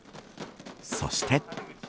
そして。